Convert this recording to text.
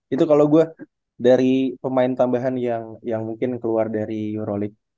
itu kalau gue dari pemain tambahan yang mungkin keluar dari eurolik